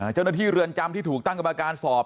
จุดหน้าที่เรือนจำที่ถูกตั้งประมาณการสอบ